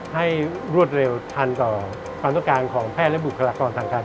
ให้รวดเร็วทันต่อความต้นการของแพทย์และบริฐาคมพนักสังคัญ